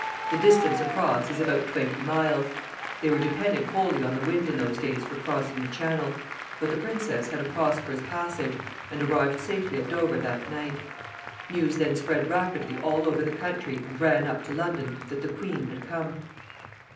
The distance across is about twenty miles. They were dependent wholly on the wind in those days for crossing the Channel; but the princess had a prosperous passage, and arrived safely at Dover that night. News then spread rapidly all over the country, and ran up to London, that the queen had come.